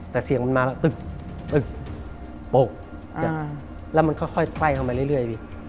แต่เสียงมันมาแล้วตึกตึกแล้วมันค่อยไต้เข้ามาเรื่อยพี่